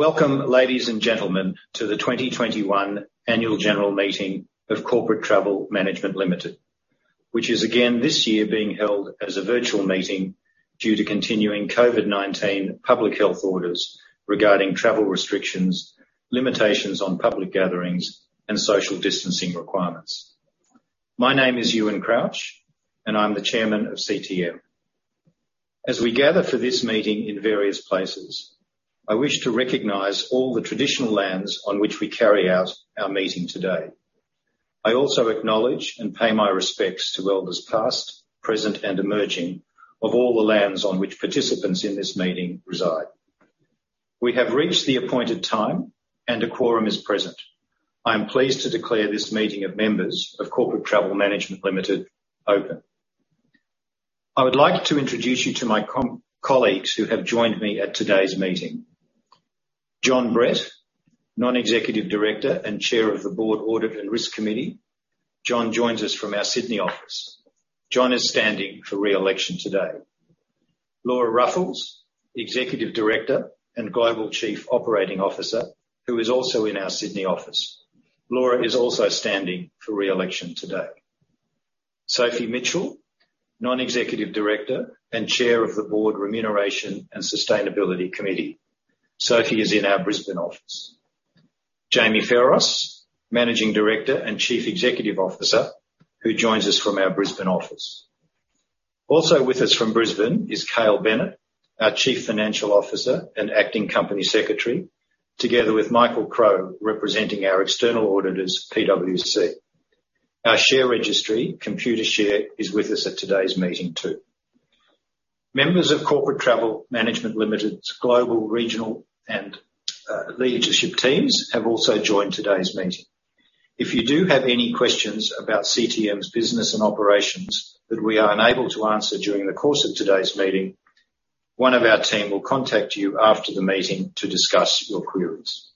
Welcome, ladies and gentlemen, to the 2021 annual general meeting of Corporate Travel Management Limited, which is again this year being held as a virtual meeting due to continuing COVID-19 public health orders regarding travel restrictions, limitations on public gatherings, and social distancing requirements. My name is Ewen Crouch, and I'm the Chairman of CTM. As we gather for this meeting in various places, I wish to recognize all the traditional lands on which we carry out our meeting today. I also acknowledge and pay my respects to elders past, present, and emerging of all the lands on which participants in this meeting reside. We have reached the appointed time and a quorum is present. I am pleased to declare this meeting of members of Corporate Travel Management Limited open. I would like to introduce you to my colleagues who have joined me at today's meeting. Jon Brett, Non-Executive Director and Chair of the Board Audit and Risk Committee. Jon joins us from our Sydney office. Jon is standing for re-election today. Laura Ruffles, Executive Director and Global Chief Operating Officer, who is also in our Sydney office. Laura is also standing for re-election today. Sophie Mitchell, Non-Executive Director and Chair of the Board Remuneration and Sustainability Committee. Sophie is in our Brisbane office. Jamie Pherous, Managing Director and Chief Executive Officer, who joins us from our Brisbane office. Also with us from Brisbane is Cale Bennett, our Chief Financial Officer and Acting Company Secretary, together with Michael Crowe, representing our external auditors, PwC. Our share registry, Computershare, is with us at today's meeting too. Members of Corporate Travel Management Limited's global, regional, and leadership teams have also joined today's meeting. If you do have any questions about CTM's business and operations that we are unable to answer during the course of today's meeting, one of our team will contact you after the meeting to discuss your queries.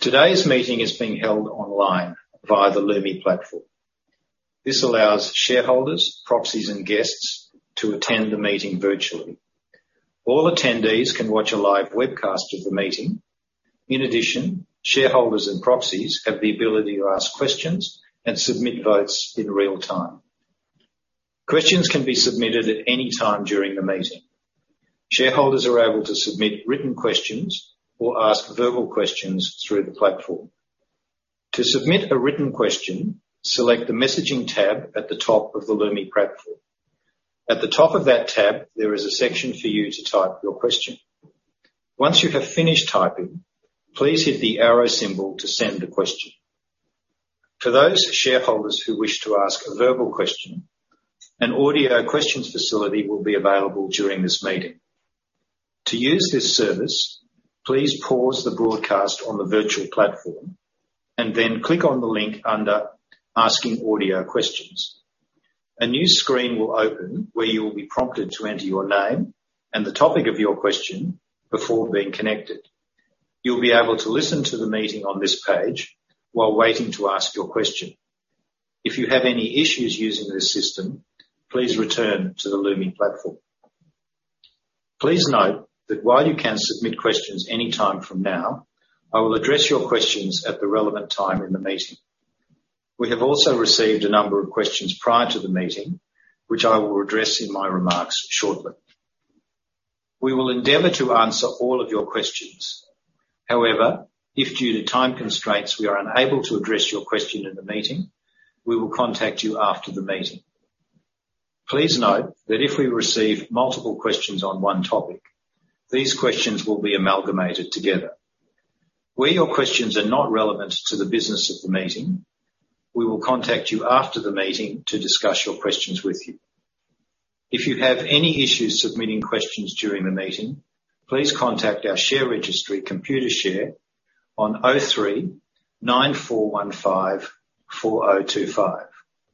Today's meeting is being held online via the Lumi platform. This allows shareholders, proxies, and guests to attend the meeting virtually. All attendees can watch a live webcast of the meeting. In addition, shareholders and proxies have the ability to ask questions and submit votes in real time. Questions can be submitted at any time during the meeting. Shareholders are able to submit written questions or ask verbal questions through the platform. To submit a written question, select the Messaging tab at the top of the Lumi platform. At the top of that tab, there is a section for you to type your question. Once you have finished typing, please hit the arrow symbol to send the question. For those shareholders who wish to ask a verbal question, an audio questions facility will be available during this meeting. To use this service, please pause the broadcast on the virtual platform and then click on the link under Asking Audio Questions. A new screen will open where you will be prompted to enter your name and the topic of your question before being connected. You'll be able to listen to the meeting on this page while waiting to ask your question. If you have any issues using this system, please return to the Lumi platform. Please note that while you can submit questions anytime from now, I will address your questions at the relevant time in the meeting. We have also received a number of questions prior to the meeting, which I will address in my remarks shortly. We will endeavor to answer all of your questions. However, if due to time constraints, we are unable to address your question in the meeting, we will contact you after the meeting. Please note that if we receive multiple questions on one topic, these questions will be amalgamated together. Where your questions are not relevant to the business of the meeting, we will contact you after the meeting to discuss your questions with you. If you have any issues submitting questions during the meeting, please contact our share registry, Computershare, on 03 9415 4024.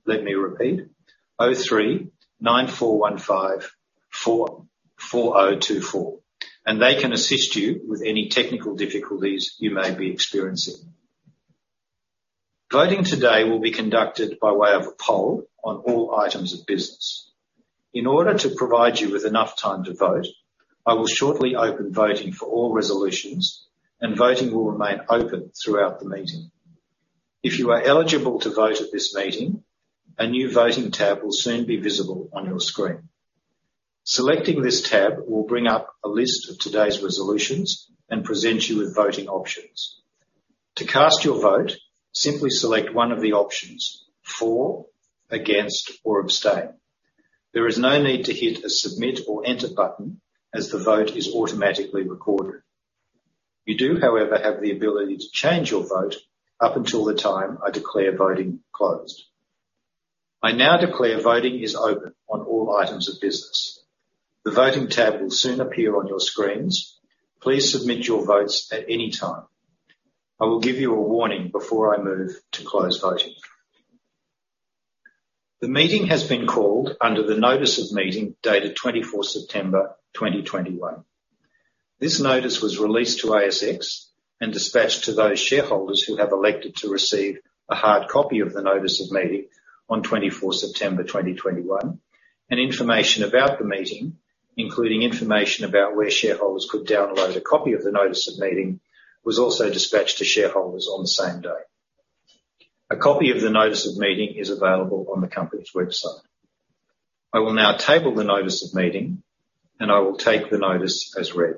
Let me repeat, 03 9415 4024, and they can assist you with any technical difficulties you may be experiencing. Voting today will be conducted by way of a poll on all items of business. In order to provide you with enough time to vote, I will shortly open voting for all resolutions, and voting will remain open throughout the meeting. If you are eligible to vote at this meeting, a new Voting tab will soon be visible on your screen. Selecting this tab will bring up a list of today's resolutions and present you with voting options, for, against, or abstain. There is no need to hit a Submit or Enter button as the vote is automatically recorded. You do, however, have the ability to change your vote up until the time I declare voting closed. I now declare voting is open on all items of business. The Voting tab will soon appear on your screens. Please submit your votes at any time. I will give you a warning before I move to close voting. The meeting has been called under the notice of meeting dated 24th September 2021. This notice was released to ASX and dispatched to those shareholders who have elected to receive a hard copy of the notice of meeting on 24th September 2021. Information about the meeting, including information about where shareholders could download a copy of the notice of meeting, was also dispatched to shareholders on the same day. A copy of the notice of meeting is available on the company's website. I will now table the notice of meeting, and I will take the notice as read.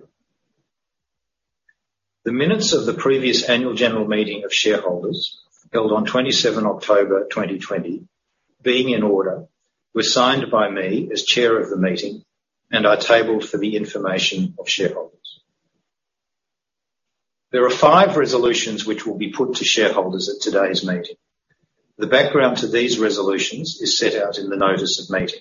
The minutes of the previous annual general meeting of shareholders, held on 27 October 2020, being in order, were signed by me as chair of the meeting and are tabled for the information of shareholders. There are five resolutions which will be put to shareholders at today's meeting. The background to these resolutions is set out in the notice of meeting.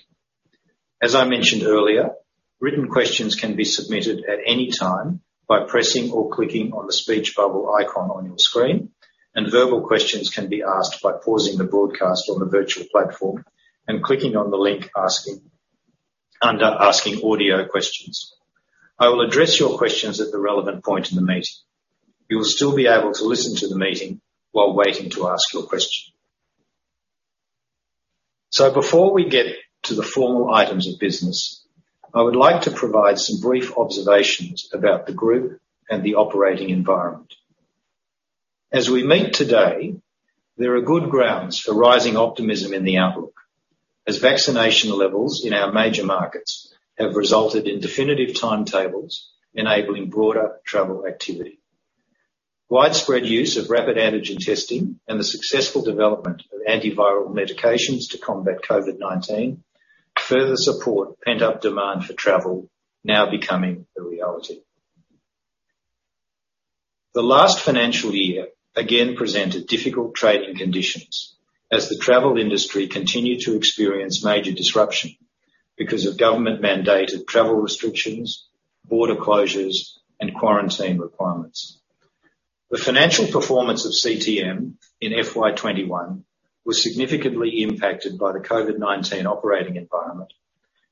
As I mentioned earlier, written questions can be submitted at any time by pressing or clicking on the speech bubble icon on your screen, and verbal questions can be asked by pausing the broadcast on the virtual platform and clicking on the link under Asking Audio Questions. I will address your questions at the relevant point in the meeting. You will still be able to listen to the meeting while waiting to ask your question. Before we get to the formal items of business, I would like to provide some brief observations about the group and the operating environment. As we meet today, there are good grounds for rising optimism in the outlook. As vaccination levels in our major markets have resulted in definitive timetables enabling broader travel activity. Widespread use of rapid antigen testing and the successful development of antiviral medications to combat COVID-19 further support pent-up demand for travel now becoming a reality. The last financial year, again, presented difficult trading conditions as the travel industry continued to experience major disruption because of government-mandated travel restrictions, border closures, and quarantine requirements. The financial performance of CTM in FY 2021 was significantly impacted by the COVID-19 operating environment,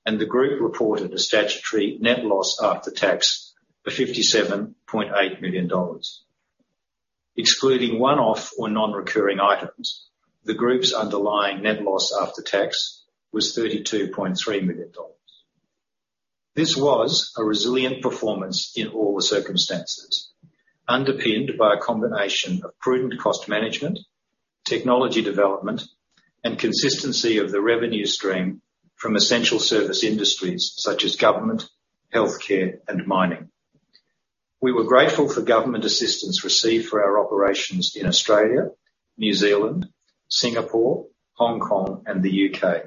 and the group reported a statutory net loss after tax of 57.8 million dollars. Excluding one-off or non-recurring items, the group's underlying net loss after tax was 32.3 million dollars. This was a resilient performance in all the circumstances, underpinned by a combination of prudent cost management, technology development, and consistency of the revenue stream from essential service industries such as government, healthcare, and mining. We were grateful for government assistance received for our operations in Australia, New Zealand, Singapore, Hong Kong, and the U.K.,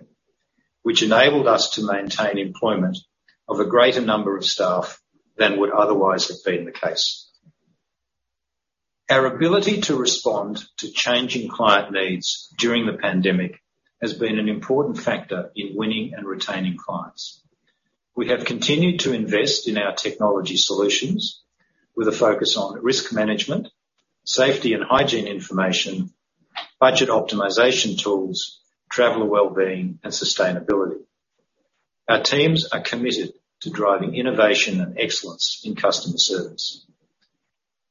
which enabled us to maintain employment of a greater number of staff than would otherwise have been the case. Our ability to respond to changing client needs during the pandemic has been an important factor in winning and retaining clients. We have continued to invest in our technology solutions with a focus on risk management, safety and hygiene information, budget optimization tools, traveler wellbeing, and sustainability. Our teams are committed to driving innovation and excellence in customer service.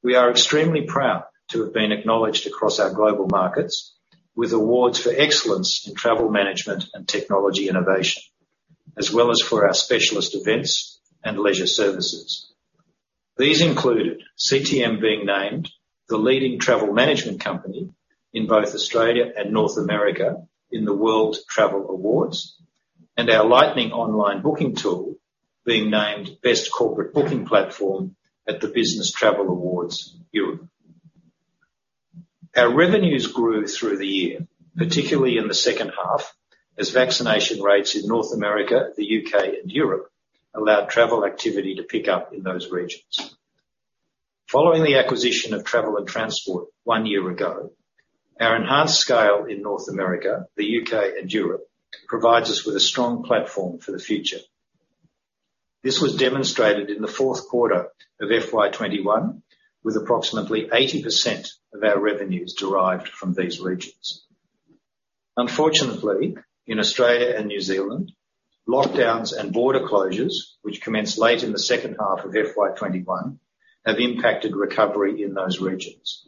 We are extremely proud to have been acknowledged across our global markets with awards for excellence in travel management and technology innovation, as well as for our specialist events and leisure services. These included CTM being named the leading travel management company in both Australia and North America in the World Travel Awards and our Lightning online booking tool being named Best Corporate Booking Platform at the Business Travel Awards Europe. Our revenues grew through the year, particularly in the second half, as vaccination rates in North America, the U.K., and Europe allowed travel activity to pick up in those regions. Following the acquisition of Travel and Transport one year ago, our enhanced scale in North America, the U.K., and Europe provides us with a strong platform for the future. This was demonstrated in the fourth quarter of FY 2021, with approximately 80% of our revenues derived from these regions. Unfortunately, in Australia and New Zealand, lockdowns and border closures, which commenced late in the second half of FY 2021, have impacted recovery in those regions.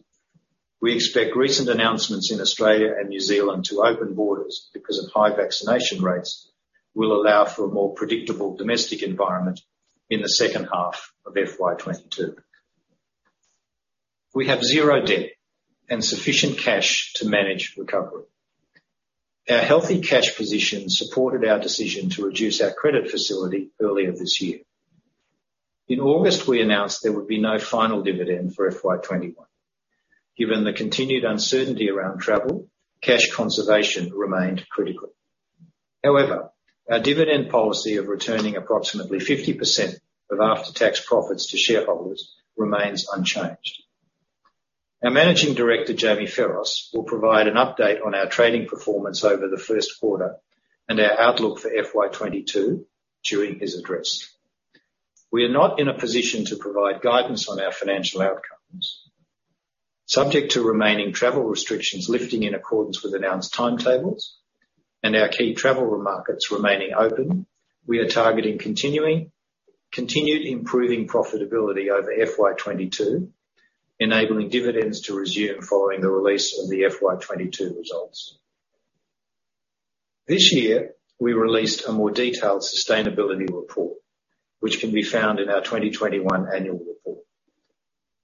We expect recent announcements in Australia and New Zealand to open borders because of high vaccination rates will allow for a more predictable domestic environment in the second half of FY 2022. We have zero debt and sufficient cash to manage recovery. Our healthy cash position supported our decision to reduce our credit facility earlier this year. In August, we announced there would be no final dividend for FY 2021. Given the continued uncertainty around travel, cash conservation remained critical. However, our dividend policy of returning approximately 50% of after-tax profits to shareholders remains unchanged. Our Managing Director, Jamie Pherous, will provide an update on our trading performance over the first quarter and our outlook for FY 2022 during his address. We are not in a position to provide guidance on our financial outcomes. Subject to remaining travel restrictions lifting in accordance with announced timetables and our key travel markets remaining open, we are targeting continued improving profitability over FY 2022, enabling dividends to resume following the release of the FY 2022 results. This year, we released a more detailed sustainability report, which can be found in our 2021 annual report.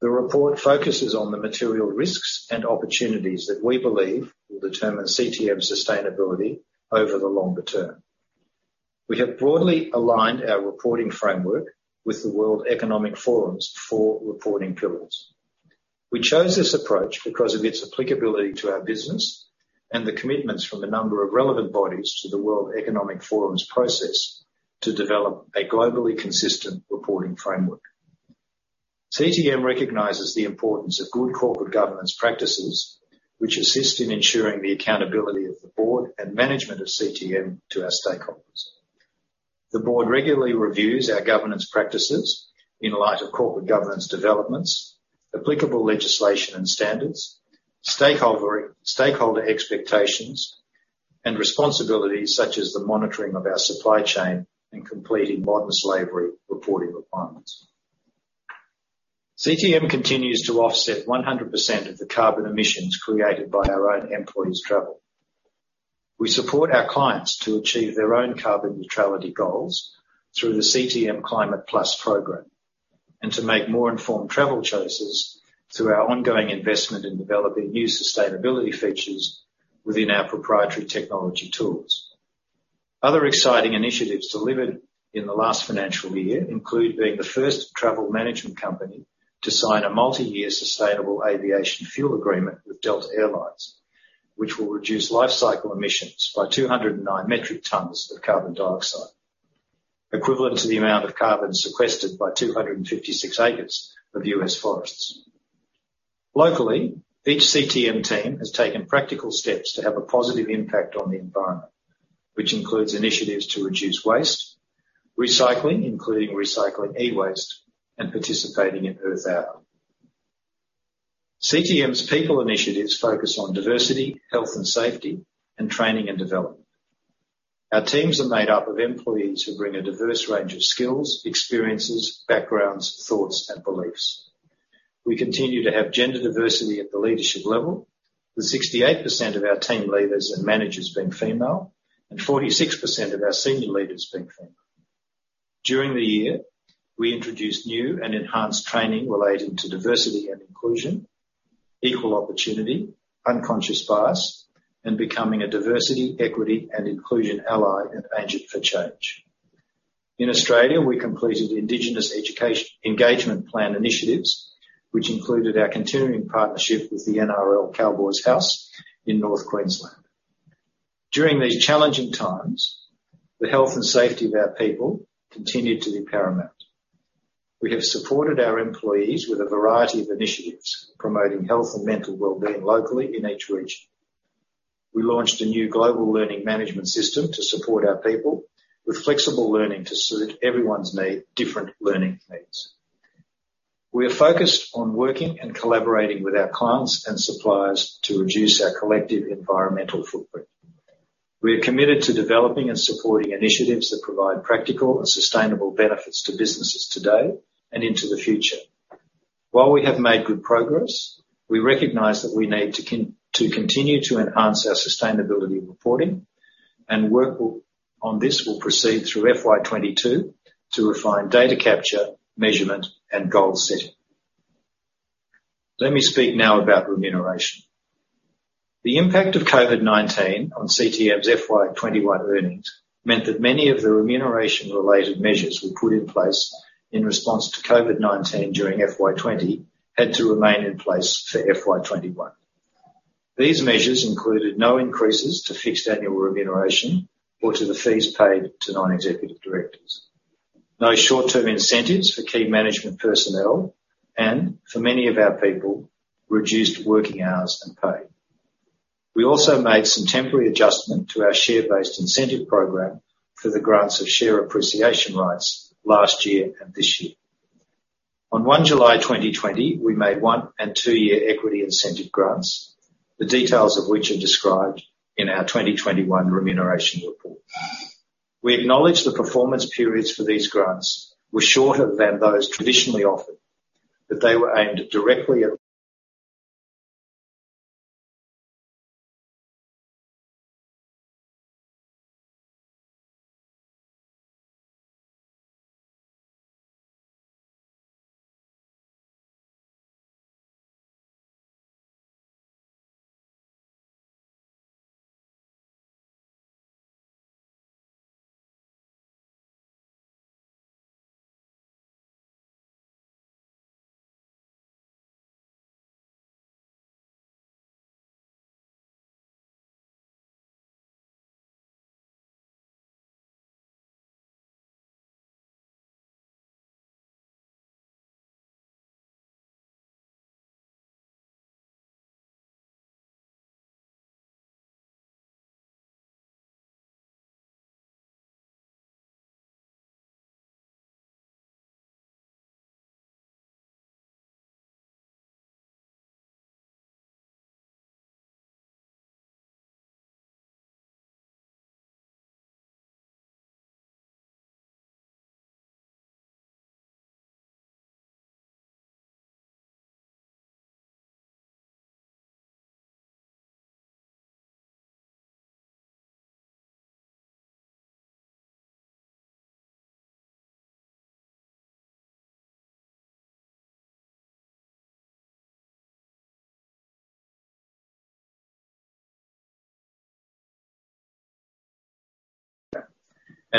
The report focuses on the material risks and opportunities that we believe will determine CTM's sustainability over the longer term. We have broadly aligned our reporting framework with the World Economic Forum's four reporting pillars. We chose this approach because of its applicability to our business and the commitments from a number of relevant bodies to the World Economic Forum's process to develop a globally consistent reporting framework. CTM recognizes the importance of good corporate governance practices, which assist in ensuring the accountability of the board and management of CTM to our stakeholders. The board regularly reviews our governance practices in light of corporate governance developments, applicable legislation and standards, stakeholder expectations and responsibilities, such as the monitoring of our supply chain and completing modern slavery reporting requirements. CTM continues to offset 100% of the carbon emissions created by our own employees' travel. We support our clients to achieve their own carbon neutrality goals through the CTM Climate Plus program, and to make more informed travel choices through our ongoing investment in developing new sustainability features within our proprietary technology tools. Other exciting initiatives delivered in the last financial year include being the first travel management company to sign a multi-year sustainable aviation fuel agreement with Delta Air Lines, which will reduce lifecycle emissions by 209 metric tons of carbon dioxide equivalent to the amount of carbon sequestered by 256 acres of U.S. forests. Locally, each CTM team has taken practical steps to have a positive impact on the environment, which includes initiatives to reduce waste, recycling, including recycling e-waste, and participating in Earth Hour. CTM's people initiatives focus on diversity, health and safety, and training and development. Our teams are made up of employees who bring a diverse range of skills, experiences, backgrounds, thoughts and beliefs. We continue to have gender diversity at the leadership level, with 68% of our team leaders and managers being female, and 46% of our senior leaders being female. During the year, we introduced new and enhanced training relating to diversity and inclusion, equal opportunity, unconscious bias, and becoming a diversity, equity and inclusion ally and agent for change. In Australia, we completed Indigenous engagement plan initiatives, which included our continuing partnership with the NRL Cowboys House in North Queensland. During these challenging times, the health and safety of our people continued to be paramount. We have supported our employees with a variety of initiatives promoting health and mental well-being locally in each region. We launched a new global learning management system to support our people with flexible learning to suit everyone's different learning needs. We are focused on working and collaborating with our clients and suppliers to reduce our collective environmental footprint. We are committed to developing and supporting initiatives that provide practical and sustainable benefits to businesses today and into the future. While we have made good progress, we recognize that we need to continue to enhance our sustainability reporting and work on this will proceed through FY 2022 to refine data capture, measurement and goal setting. Let me speak now about remuneration. The impact of COVID-19 on CTM's FY 2021 earnings meant that many of the remuneration related measures we put in place in response to COVID-19 during FY 2020 had to remain in place for FY 2021. These measures included no increases to fixed annual remuneration or to the fees paid to non-executive directors. No short-term incentives for key management personnel and for many of our people, reduced working hours and pay. We also made some temporary adjustment to our share-based incentive program for the grants of share appreciation rights last year and this year. On 1 July 2020, we made one and two-year equity incentive grants, the details of which are described in our 2021 remuneration report. We acknowledge the performance periods for these grants were shorter than those traditionally offered, but they were aimed directly at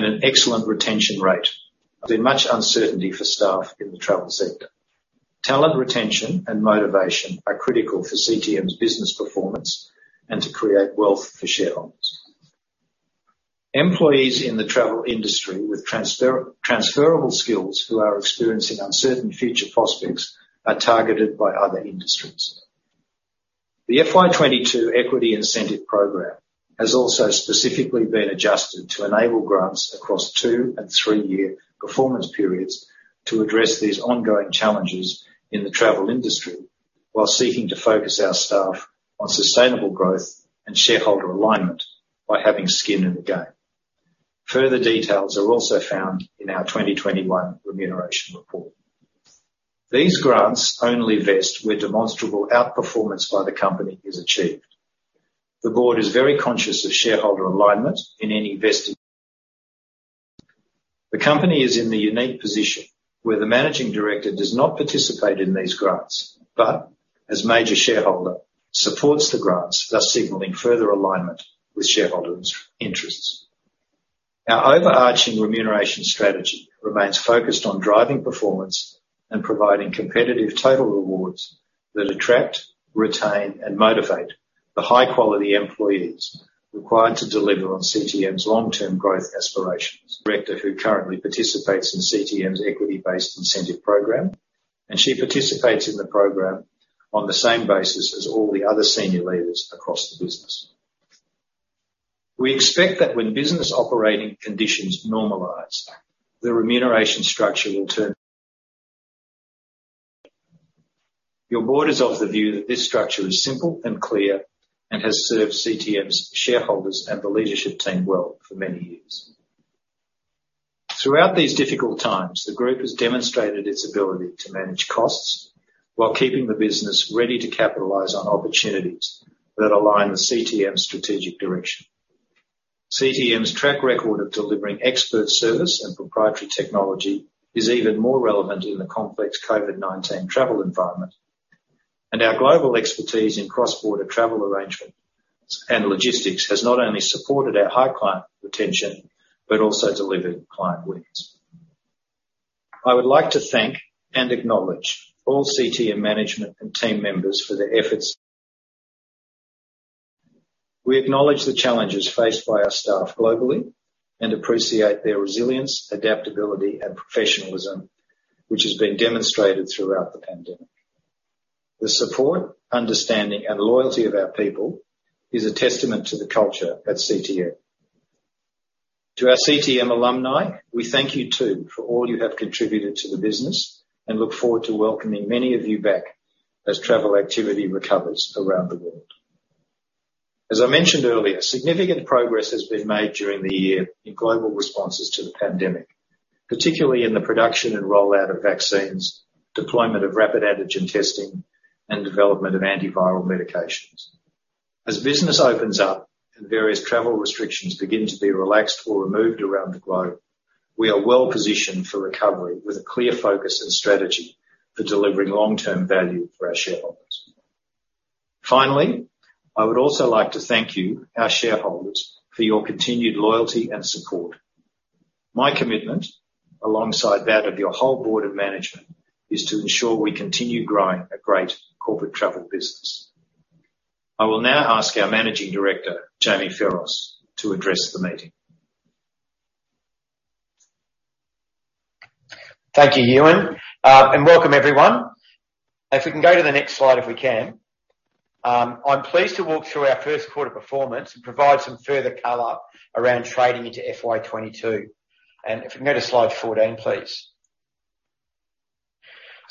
an excellent retention rate. There's been much uncertainty for staff in the travel sector. Talent, retention and motivation are critical for CTM's business performance and to create wealth for shareholders. Employees in the travel industry with transferable skills who are experiencing uncertain future prospects are targeted by other industries. The FY 2022 equity incentive program has also specifically been adjusted to enable grants across two and three-year performance periods to address these ongoing challenges in the travel industry, while seeking to focus our staff on sustainable growth and shareholder alignment by having skin in the game. Further details are also found in our 2021 remuneration report. These grants only vest where demonstrable outperformance by the company is achieved. The board is very conscious of shareholder alignment in any vested. The company is in the unique position where the Managing Director does not participate in these grants, but as major shareholder supports the grants, thus signaling further alignment with shareholders' interests. Our overarching remuneration strategy remains focused on driving performance and providing competitive total rewards that attract, retain and motivate the high-quality employees required to deliver on CTM's long term growth aspirations. Director, who currently participates in CTM's equity-based incentive program, and she participates in the program on the same basis as all the other senior leaders across the business. We expect that when business operating conditions normalize, the remuneration structure will turn. Your board is of the view that this structure is simple and clear and has served CTM's shareholders and the leadership team well for many years. Throughout these difficult times, the group has demonstrated its ability to manage costs while keeping the business ready to capitalize on opportunities that align with CTM's strategic direction. CTM's track record of delivering expert service and proprietary technology is even more relevant in the complex COVID-19 travel environment. Our global expertise in cross-border travel arrangements and logistics has not only supported our high client retention, but also delivered client wins. I would like to thank and acknowledge all CTM management and team members for their efforts. We acknowledge the challenges faced by our staff globally and appreciate their resilience, adaptability and professionalism which has been demonstrated throughout the pandemic. The support, understanding and loyalty of our people is a testament to the culture at CTM. To our CTM alumni, we thank you too for all you have contributed to the business and look forward to welcoming many of you back as travel activity recovers around the world. As I mentioned earlier, significant progress has been made during the year in global responses to the pandemic, particularly in the production and rollout of vaccines, deployment of rapid antigen testing and development of antiviral medications. As business opens up and various travel restrictions begin to be relaxed or removed around the globe, we are well positioned for recovery with a clear focus and strategy for delivering long term value for our shareholders. Finally, I would also like to thank you, our shareholders, for your continued loyalty and support. My commitment, alongside that of your whole board of management, is to ensure we continue growing a great corporate travel business. I will now ask our Managing Director, Jamie Pherous, to address the meeting. Thank you, Ewen, and welcome everyone. If we can go to the next slide. I'm pleased to walk through our first quarter performance and provide some further color around trading into FY 2022. If we can go to slide 14, please.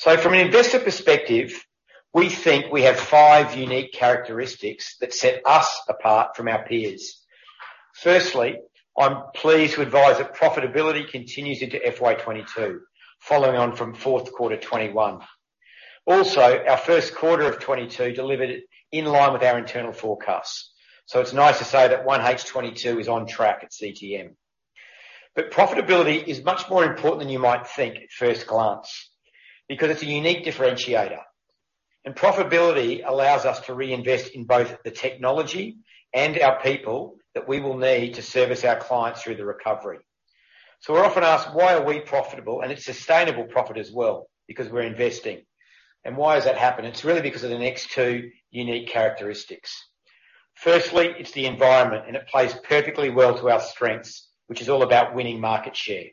From an investor perspective, we think we have five unique characteristics that set us apart from our peers. Firstly, I'm pleased to advise that profitability continues into FY 2022, following on from fourth quarter 2021. Also, our first quarter of 2022 delivered it in line with our internal forecasts. It's nice to say that 1H 2022 is on track at CTM. Profitability is much more important than you might think at first glance, because it's a unique differentiator. Profitability allows us to reinvest in both the technology and our people that we will need to service our clients through the recovery. We're often asked, why are we profitable? It's sustainable profit as well, because we're investing. Why has that happened? It's really because of the next two unique characteristics. Firstly, it's the environment, and it plays perfectly well to our strengths, which is all about winning market share.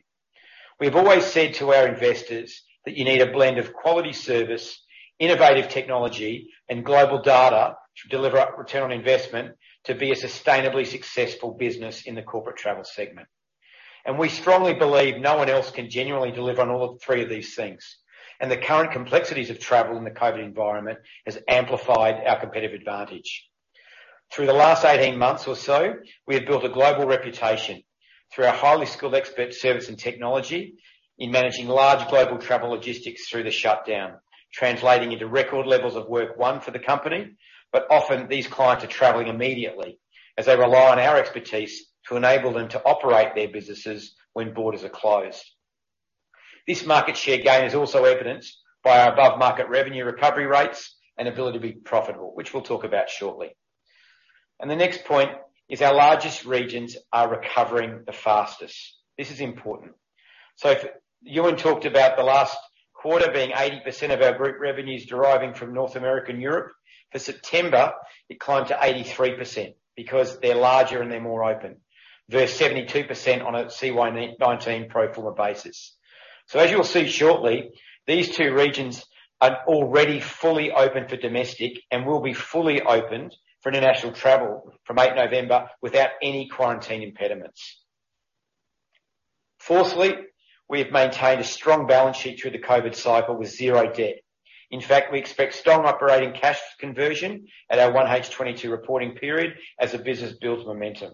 We have always said to our investors that you need a blend of quality service, innovative technology and global data to deliver a return on investment to be a sustainable successful business in the corporate travel segment. We strongly believe no one else can genuinely deliver on all three of these things. The current complexities of travel in the COVID environment has amplified our competitive advantage. Through the last 18 months or so, we have built a global reputation through our highly skilled expert service and technology in managing large global travel logistics through the shutdown, translating into record levels of work for the company, but often these clients are traveling immediately as they rely on our expertise to enable them to operate their businesses when borders are closed. This market share gain is also evidenced by our above-market revenue recovery rates and ability to be profitable, which we'll talk about shortly. The next point is our largest regions are recovering the fastest. This is important. Ewen talked about the last quarter being 80% of our group revenues deriving from North America and Europe. For September, it climbed to 83% because they're larger and they're more open, versus 72% on a CY 2019 pro forma basis. As you'll see shortly, these two regions are already fully open for domestic and will be fully opened for international travel from 8 November without any quarantine impediments. Fourthly, we have maintained a strong balance sheet through the COVID cycle with zero debt. In fact, we expect strong operating cash conversion at our 1H 2022 reporting period as the business builds momentum.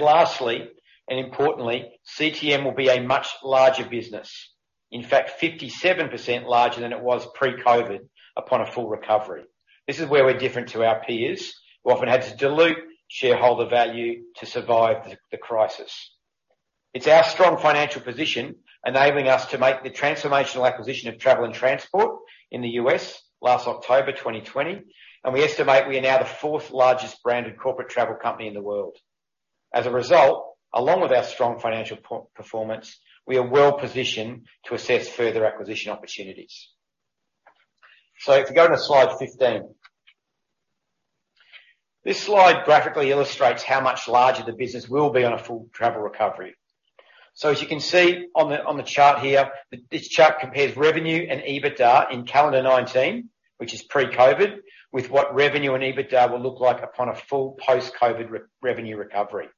Lastly, and importantly, CTM will be a much larger business, in fact, 57% larger than it was pre-COVID upon a full recovery. This is where we're different to our peers, who often had to dilute shareholder value to survive the crisis. It's our strong financial position enabling us to make the transformational acquisition of Travel and Transport in the U.S. last October 2020, and we estimate we are now the fourth largest branded corporate travel company in the world. As a result, along with our strong financial performance, we are well-positioned to assess further acquisition opportunities. If you go to slide 15. This slide graphically illustrates how much larger the business will be on a full travel recovery. As you can see on the chart here, this chart compares revenue and EBITDA in calendar 2019, which is pre-COVID, with what revenue and EBITDA will look like upon a full post-COVID revenue recovery.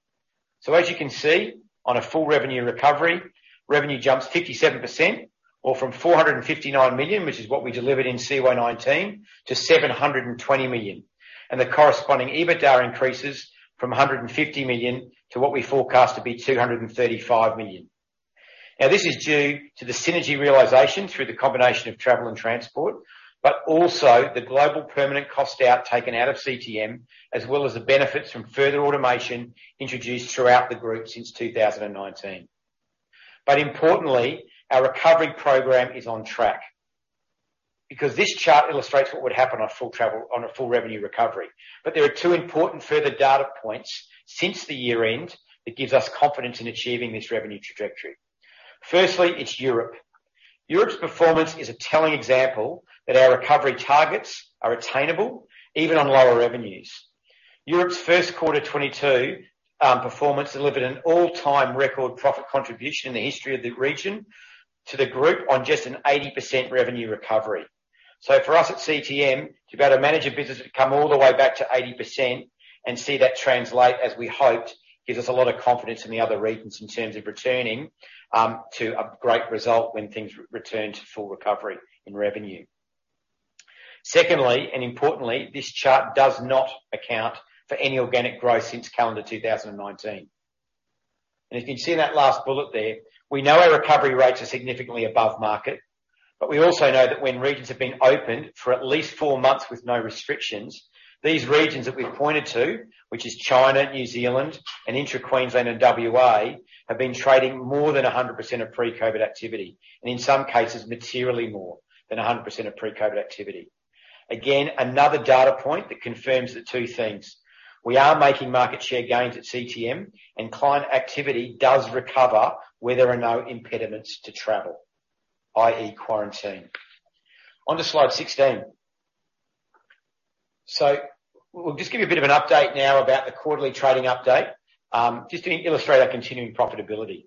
As you can see, on a full revenue recovery, revenue jumps 57% or from 459 million, which is what we delivered in CY 2019, to 720 million. The corresponding EBITDA increases from 150 million to what we forecast to be 235 million. Now this is due to the synergy realization through the combination of Travel and Transport, but also the global permanent cost out taken out of CTM, as well as the benefits from further automation introduced throughout the group since 2019. Importantly, our recovery program is on track because this chart illustrates what would happen on a full revenue recovery. There are two important further data points since the year-end that gives us confidence in achieving this revenue trajectory. Firstly, it's Europe. Europe's performance is a telling example that our recovery targets are attainable even on lower revenues. Europe's first quarter 2022 performance delivered an all-time record profit contribution in the history of the region to the group on just an 80% revenue recovery. For us at CTM, to be able to manage a business to come all the way back to 80% and see that translate as we hoped, gives us a lot of confidence in the other regions in terms of returning to a great result when things return to full recovery in revenue. Secondly, and importantly, this chart does not account for any organic growth since calendar 2019. If you can see in that last bullet there, we know our recovery rates are significantly above market, but we also know that when regions have been opened for at least four months with no restrictions, these regions that we've pointed to, which is China, New Zealand and intra Queensland and WA, have been trading more than 100% of pre-COVID activity, and in some cases materially more than 100% of pre-COVID activity. Again, another data point that confirms the two things. We are making market share gains at CTM and client activity does recover where there are no impediments to travel, i.e. quarantine. Onto slide 16. We'll just give you a bit of an update now about the quarterly trading update, just to illustrate our continuing profitability.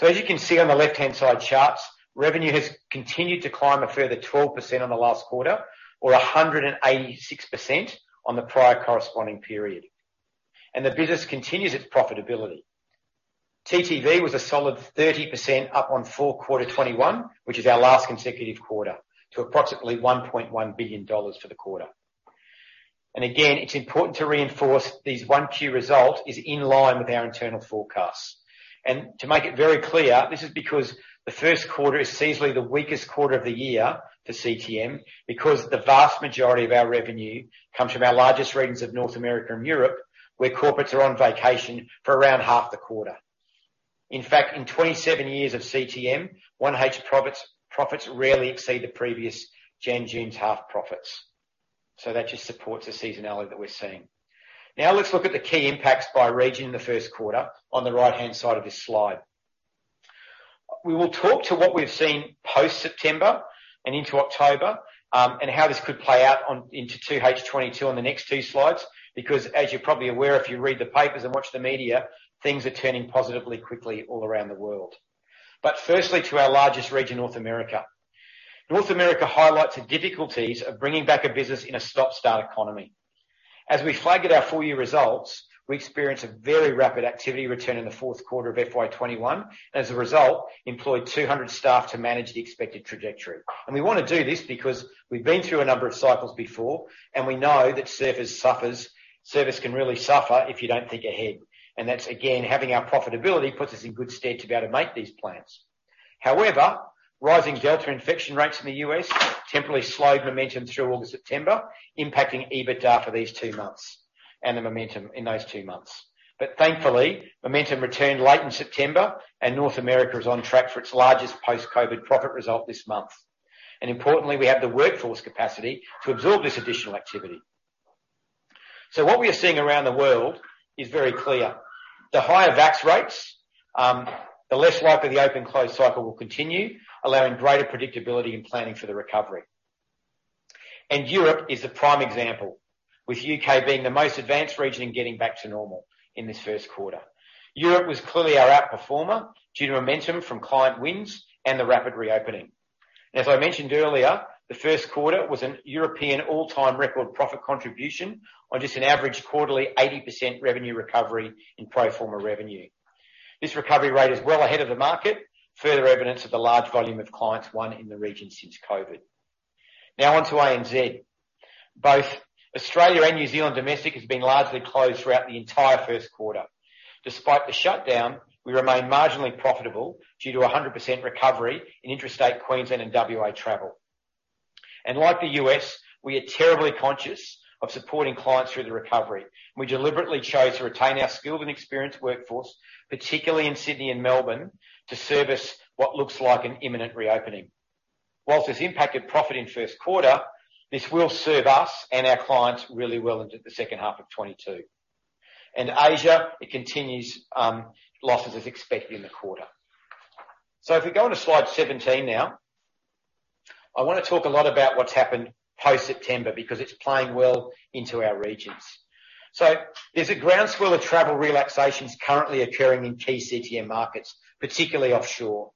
As you can see on the left-hand side charts, revenue has continued to climb a further 12% on the last quarter or 186% on the prior corresponding period. The business continues its profitability. TTV was a solid 30% up on full quarter 2021, which is our last consecutive quarter, to approximately 1.1 billion dollars for the quarter. Again, it's important to reinforce these 1Q results are in line with our internal forecasts. To make it very clear, this is because the first quarter is seasonally the weakest quarter of the year for CTM because the vast majority of our revenue comes from our largest regions of North America and Europe, where corporates are on vacation for around half the quarter. In fact, in 27 years of CTM, 1H profits rarely exceed the previous Jan-June's half profits. That just supports the seasonality that we're seeing. Now let's look at the key impacts by region in the first quarter on the right-hand side of this slide. We will talk to what we've seen post-September and into October, and how this could play out into 2H 2022 on the next two slides because as you're probably aware if you read the papers and watch the media, things are turning positively quickly all around the world. Firstly to our largest region, North America. North America highlights the difficulties of bringing back a business in a stop-start economy. As we flagged at our full-year results, we experienced a very rapid activity return in the fourth quarter of FY 2021. As a result, we employed 200 staff to manage the expected trajectory. We wanna do this because we've been through a number of cycles before, and we know that service suffers, service can really suffer if you don't think ahead. That's again, having our profitability puts us in good stead to be able to make these plans. However, rising Delta infection rates in the U.S. temporarily slowed momentum through August, September, impacting EBITDA for these two months and the momentum in those two months. Thankfully, momentum returned late in September and North America is on track for its largest post-COVID profit result this month. Importantly, we have the workforce capacity to absorb this additional activity. What we are seeing around the world is very clear. The higher vax rates, the less likely the open/close cycle will continue, allowing greater predictability in planning for the recovery. Europe is a prime example, with U.K. being the most advanced region in getting back to normal in this first quarter. Europe was clearly our outperformer due to momentum from client wins and the rapid reopening. As I mentioned earlier, the first quarter was a European all-time record profit contribution on just an average quarterly 80% revenue recovery in pro forma revenue. This recovery rate is well ahead of the market. Further evidence of the large volume of clients won in the region since COVID. Now on to ANZ. Both Australia and New Zealand domestic has been largely closed throughout the entire first quarter. Despite the shutdown, we remain marginally profitable due to 100% recovery in interstate Queensland and WA travel. Like the U.S., we are terribly conscious of supporting clients through the recovery. We deliberately chose to retain our skilled and experienced workforce, particularly in Sydney and Melbourne, to service what looks like an imminent reopening. While it's impacted profit in first quarter, this will serve us and our clients really well into the second half of 2022. In Asia, it continues losses as expected in the quarter. If we go onto slide 17 now, I wanna talk a lot about what's happened post-September, because it's playing well into our regions. There's a groundswell of travel relaxations currently occurring in key CTM markets, particularly offshore.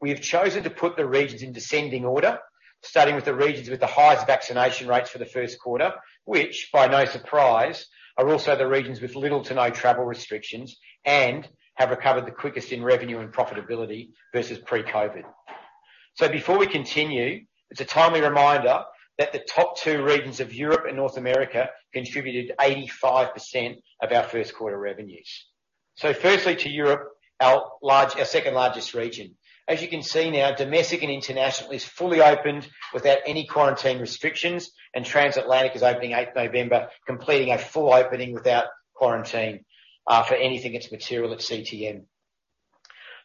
We have chosen to put the regions in descending order, starting with the regions with the highest vaccination rates for the first quarter, which by no surprise, are also the regions with little to no travel restrictions and have recovered the quickest in revenue and profitability versus pre-COVID. Before we continue, it's a timely reminder that the top two regions of Europe and North America contributed 85% of our first quarter revenues. Firstly, to Europe, our second-largest region. As you can see now, domestic and international is fully opened without any quarantine restrictions, and transatlantic is opening 8th November, completing a full opening without quarantine for anything that's material at CTM.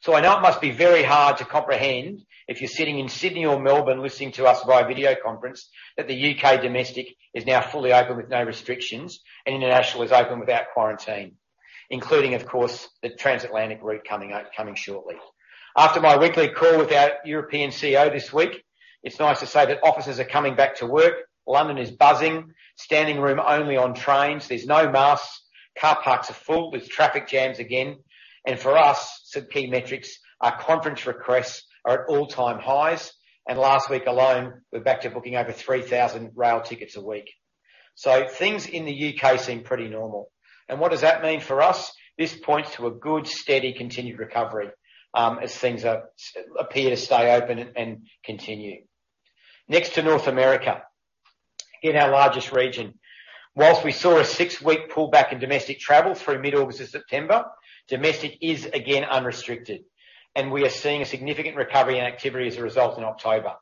I know it must be very hard to comprehend if you're sitting in Sydney or Melbourne listening to us via video conference, that the U.K. domestic is now fully open with no restrictions and international is open without quarantine, including, of course, the transatlantic route coming shortly. After my weekly call with our European CEO this week, it's nice to say that offices are coming back to work. London is buzzing. Standing room only on trains. There's no masks. Car parks are full. There's traffic jams again. For us, some key metrics, our conference requests are at all-time highs. Last week alone, we're back to booking over 3,000 rail tickets a week. Things in the U.K. seem pretty normal. What does that mean for us? This points to a good, steady, continued recovery, as things appear to stay open and continue. Next to North America. Again, our largest region. While we saw a six-week pullback in domestic travel through mid-August to September, domestic is again unrestricted, and we are seeing a significant recovery in activity as a result in October.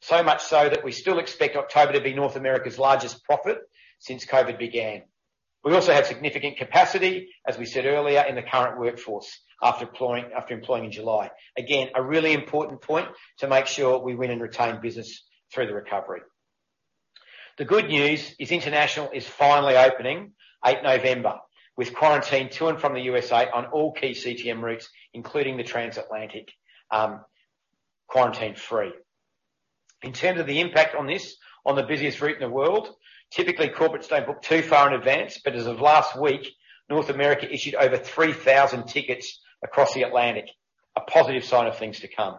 So much so that we still expect October to be North America's largest profit since COVID-19 began. We also have significant capacity, as we said earlier, in the current workforce after employing in July. Again, a really important point to make sure we win and retain business through the recovery. The good news is international is finally opening 8 November with quarantine to and from the USA on all key CTM routes, including the transatlantic, quarantine-free. In terms of the impact on this, on the busiest route in the world, typically corporates don't book too far in advance, but as of last week, North America issued over 3,000 tickets across the Atlantic, a positive sign of things to come.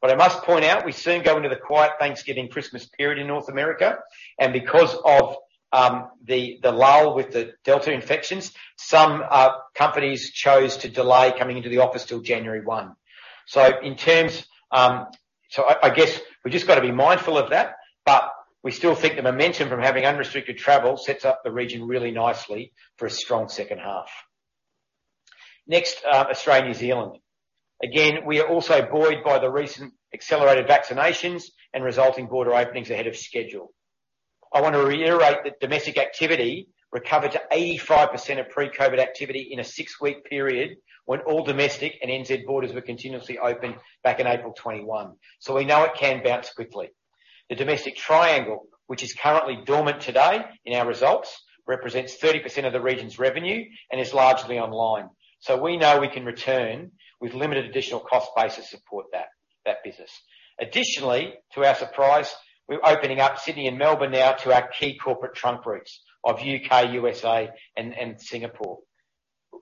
What I must point out, we soon go into the quiet Thanksgiving, Christmas period in North America, and because of the lull with the Delta infections, some companies chose to delay coming into the office till January 1. I guess we've just got to be mindful of that. We still think the momentum from having unrestricted travel sets up the region really nicely for a strong second half. Next, Australia, New Zealand. Again, we are also buoyed by the recent accelerated vaccinations and resulting border openings ahead of schedule. I wanna reiterate that domestic activity recovered to 85% of pre-COVID activity in a six-week period when all domestic and N.Z. borders were continuously open back in April 2021. We know it can bounce quickly. The domestic triangle, which is currently dormant today in our results, represents 30% of the region's revenue and is largely online. We know we can return with limited additional cost base to support that business. Additionally, to our surprise, we're opening up Sydney and Melbourne now to our key corporate trunk routes of U.K., U.S.A., and Singapore,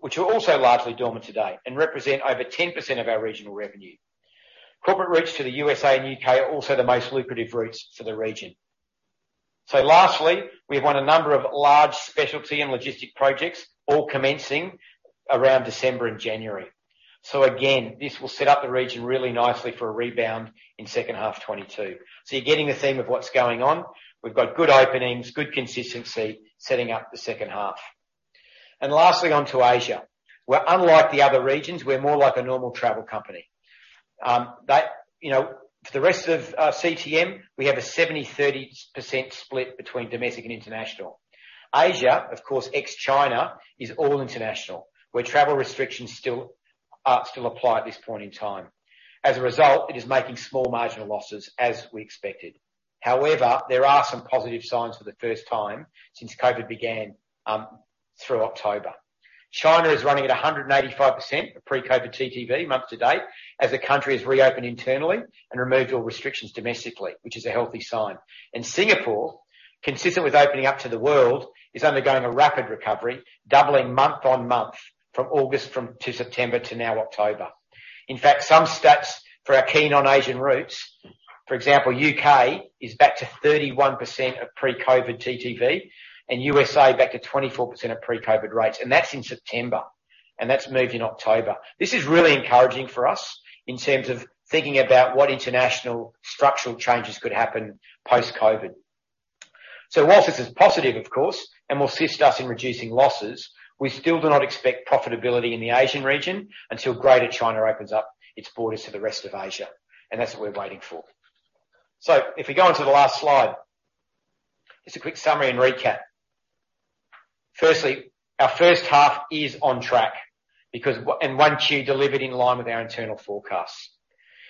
which are also largely dormant today and represent over 10% of our regional revenue. Corporate routes to the U.S.A. and U.K. are also the most lucrative routes for the region. Lastly, we've won a number of large specialty and logistic projects, all commencing around December and January. Again, this will set up the region really nicely for a rebound in second half 2022. You're getting the theme of what's going on. We've got good openings, good consistency, setting up the second half. Lastly, onto Asia, where unlike the other regions, we're more like a normal travel company. For the rest of CTM, we have a 70%/30% split between domestic and international. Asia, of course, ex-China, is all international, where travel restrictions still apply at this point in time. As a result, it is making small marginal losses as we expected. However, there are some positive signs for the first time since COVID began through October. China is running at 185% of pre-COVID TTV month to date as the country has reopened internally and removed all restrictions domestically, which is a healthy sign. Singapore, consistent with opening up to the world, is undergoing a rapid recovery, doubling month-on-month from August to September to now October. In fact, some stats for our key non-Asian routes. For example, U.K. is back to 31% of pre-COVID TTV, and U.S. back at 24% of pre-COVID rates. That's in September. That's moved in October. This is really encouraging for us in terms of thinking about what international structural changes could happen post-COVID. While this is positive, of course, and will assist us in reducing losses, we still do not expect profitability in the Asian region until Greater China opens up its borders to the rest of Asia. That's what we're waiting for. If we go onto the last slide, just a quick summary and recap. Firstly, our first half is on track because we delivered in line with our internal forecasts.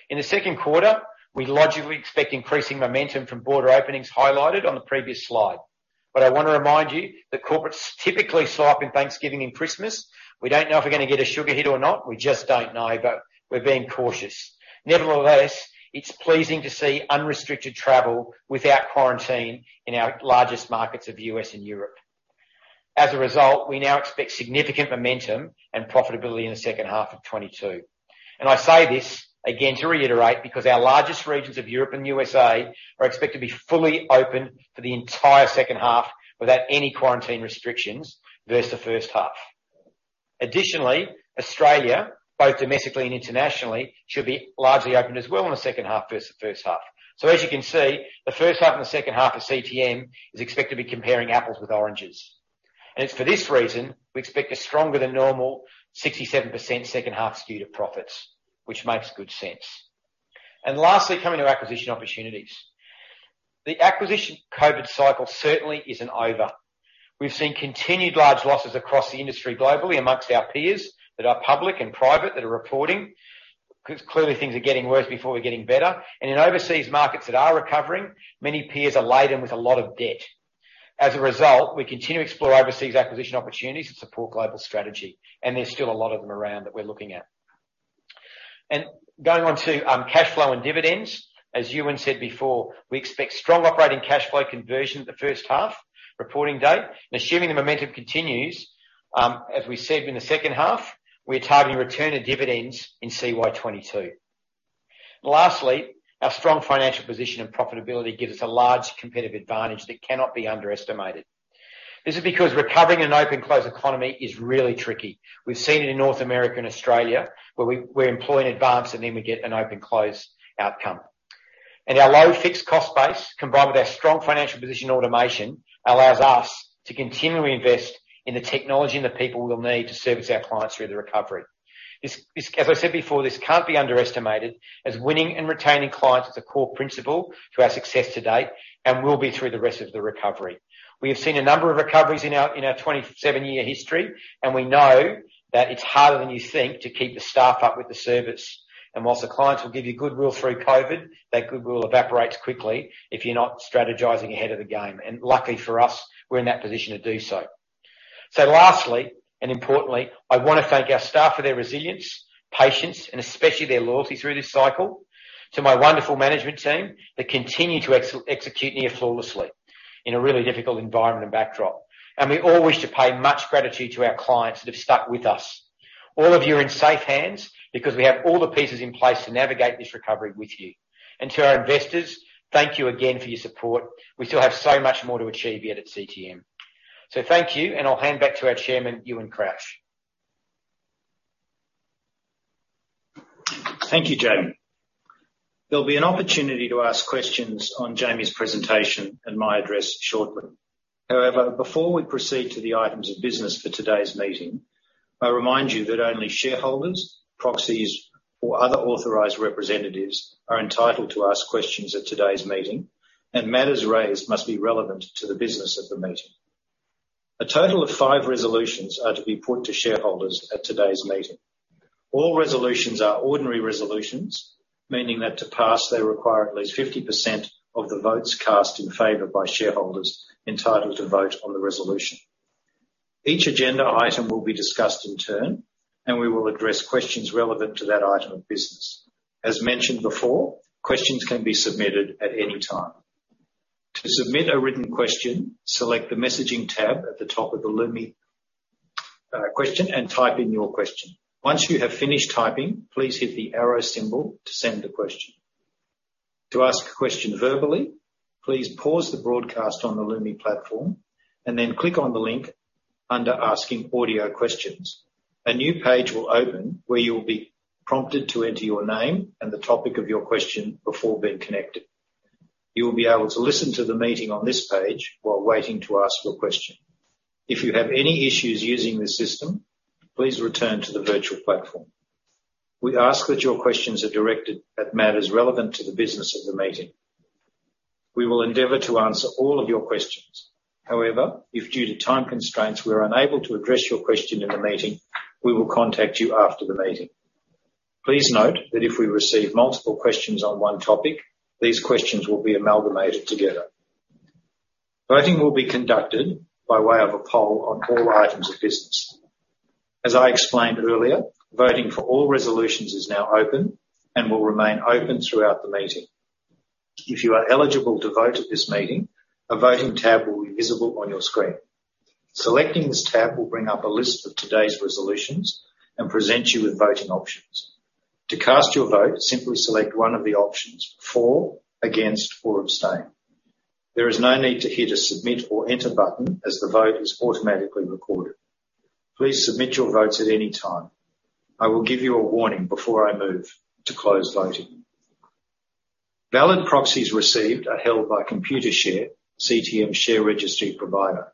In the second quarter, we logically expect increasing momentum from border openings highlighted on the previous slide. I wanna remind you that corporates typically slacken Thanksgiving and Christmas. We don't know if we're gonna get a sugar hit or not, we just don't know, but we're being cautious. Nevertheless, it's pleasing to see unrestricted travel without quarantine in our largest markets of the U.S. and Europe. As a result, we now expect significant momentum and profitability in the second half of 2022. I say this, again, to reiterate, because our largest regions of Europe and USA are expected to be fully open for the entire second half without any quarantine restrictions versus the first half. Additionally, Australia, both domestically and internationally, should be largely open as well in the second half versus the first half. As you can see, the first half and the second half of CTM is expected to be comparing apples with oranges. It's for this reason we expect a stronger than normal 67% second half skew to profits, which makes good sense. Lastly, coming to acquisition opportunities. The acquisition COVID cycle certainly isn't over. We've seen continued large losses across the industry globally amongst our peers that are public and private, that are reporting. Clearly, things are getting worse before we're getting better. In overseas markets that are recovering, many peers are laden with a lot of debt. As a result, we continue to explore overseas acquisition opportunities to support global strategy. There's still a lot of them around that we're looking at. Going on to cash flow and dividends. As Ewen said before, we expect strong operating cash flow conversion the first half reporting date. Assuming the momentum continues, as we said in the second half, we are targeting return of dividends in CY 2022. Lastly, our strong financial position and profitability gives us a large competitive advantage that cannot be underestimated. This is because recovering an open/close economy is really tricky. We've seen it in North America and Australia, where we employ in advance and then we get an open/close outcome. Our low fixed cost base, combined with our strong financial position and automation, allows us to continually invest in the technology and the people we'll need to service our clients through the recovery. This, as I said before, can't be underestimated as winning and retaining clients is a core principle to our success to date and will be through the rest of the recovery. We have seen a number of recoveries in our 27-year history, and we know that it's harder than you think to keep the staff up with the service. While the clients will give you goodwill through COVID, that goodwill evaporates quickly if you're not strategizing ahead of the game. Lucky for us, we're in that position to do so. Lastly and importantly, I wanna thank our staff for their resilience, patience, and especially their loyalty through this cycle. To my wonderful management team that continue to execute near flawlessly in a really difficult environment and backdrop. We all wish to pay much gratitude to our clients that have stuck with us. All of you are in safe hands because we have all the pieces in place to navigate this recovery with you. To our investors, thank you again for your support. We still have so much more to achieve yet at CTM. Thank you, and I'll hand back to our Chairman, Ewen Crouch. Thank you, Jamie. There'll be an opportunity to ask questions on Jamie's presentation and my address shortly. However, before we proceed to the items of business for today's meeting, I remind you that only shareholders, proxies, or other authorized representatives are entitled to ask questions at today's meeting, and matters raised must be relevant to the business of the meeting. A total of five resolutions are to be put to shareholders at today's meeting. All resolutions are ordinary resolutions, meaning that to pass, they require at least 50% of the votes cast in favor by shareholders entitled to vote on the resolution. Each agenda item will be discussed in turn, and we will address questions relevant to that item of business. As mentioned before, questions can be submitted at any time. To submit a written question, select the Messaging tab at the top of the Lumi and type in your question. Once you have finished typing, please hit the arrow symbol to send the question. To ask a question verbally, please pause the broadcast on the Lumi platform and then click on the link under Asking Audio Questions. A new page will open, where you will be prompted to enter your name and the topic of your question before being connected. You will be able to listen to the meeting on this page while waiting to ask your question. If you have any issues using this system, please return to the virtual platform. We ask that your questions are directed at matters relevant to the business of the meeting. We will endeavor to answer all of your questions. However, if due to time constraints, we are unable to address your question in the meeting, we will contact you after the meeting. Please note that if we receive multiple questions on one topic, these questions will be amalgamated together. Voting will be conducted by way of a poll on all items of business. As I explained earlier, voting for all resolutions is now open and will remain open throughout the meeting. If you are eligible to vote at this meeting, a voting tab will be visible on your screen. Selecting this tab will bring up a list of today's resolutions and present you with voting options, for, against, or abstain. There is no need to hit a submit or enter button as the vote is automatically recorded. Please submit your votes at any time. I will give you a warning before I move to close voting. Valid proxies received are held by Computershare, CTM share registry provider.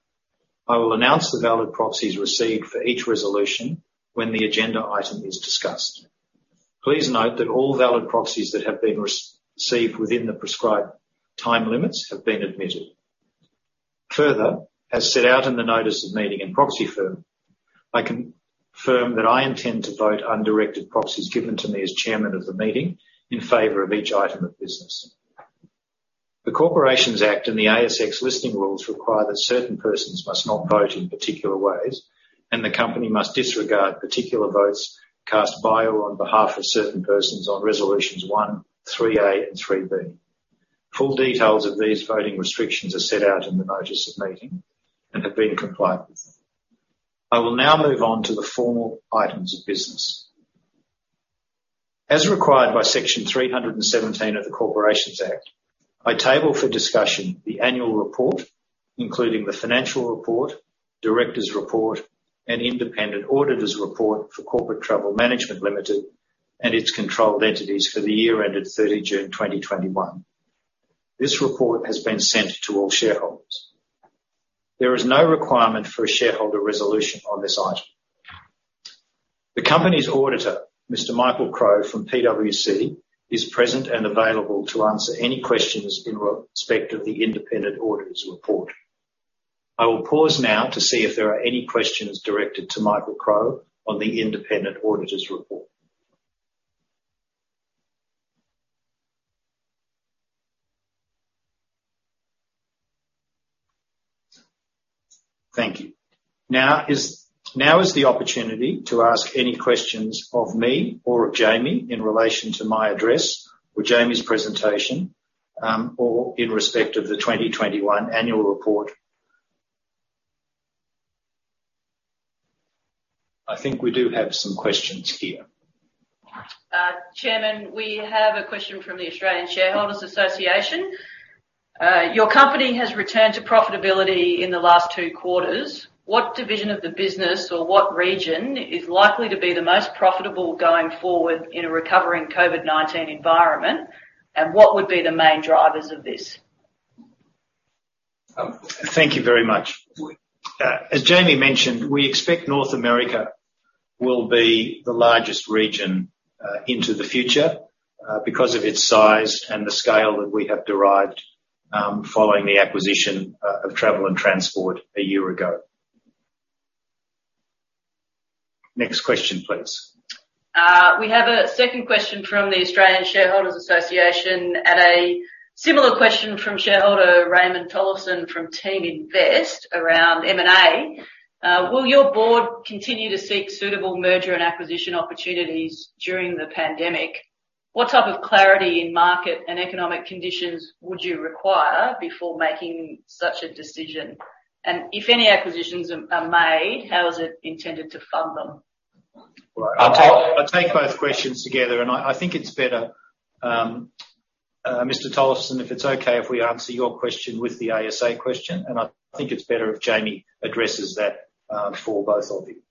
I will announce the valid proxies received for each resolution when the agenda item is discussed. Please note that all valid proxies that have been received within the prescribed time limits have been admitted. Further, as set out in the notice of meeting and proxy form, I confirm that I intend to vote undirected proxies given to me as chairman of the meeting in favor of each item of business. The Corporations Act and the ASX Listing Rules require that certain persons must not vote in particular ways, and the company must disregard particular votes cast by or on behalf of certain persons on resolutions one, 3A, and 3B. Full details of these voting restrictions are set out in the notice of meeting and have been complied with. I will now move on to the formal items of business. As required by Section 317 of the Corporations Act, I table for discussion the annual report, including the financial report, directors report, and independent auditors report for Corporate Travel Management Limited and its controlled entities for the year ended 30 June 2021. This report has been sent to all shareholders. There is no requirement for a shareholder resolution on this item. The company's auditor, Mr. Michael Crowe from PwC, is present and available to answer any questions in respect of the independent auditors report. I will pause now to see if there are any questions directed to Michael Crowe on the independent auditors report. Thank you. Now is the opportunity to ask any questions of me or of Jamie in relation to my address or Jamie's presentation, or in respect of the 2021 annual report. I think we do have some questions here. Chairman, we have a question from the Australian Shareholders' Association. Your company has returned to profitability in the last two quarters. What division of the business or what region is likely to be the most profitable going forward in a recovering COVID-19 environment, and what would be the main drivers of this? Thank you very much. As Jamie mentioned, we expect North America will be the largest region into the future because of its size and the scale that we have derived following the acquisition of Travel and Transport a year ago. Next question, please. We have a second question from the Australian Shareholders' Association and a similar question from shareholder Raymond Tollefson from Teaminvest around M&A. Will your board continue to seek suitable merger and acquisition opportunities during the pandemic? What type of clarity in market and economic conditions would you require before making such a decision? If any acquisitions are made, how is it intended to fund them? Right. I'll take both questions together, and I think it's better, Mr. Tollefson, if it's okay if we answer your question with the ASA question, and I think it's better if Jamie addresses that, for both of you.